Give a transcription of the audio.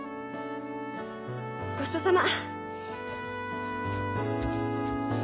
ごちそうさま。